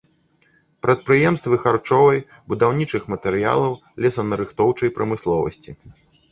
Прадпрыемствы харчовай, будаўнічых матэрыялаў, лесанарыхтоўчай прамысловасці.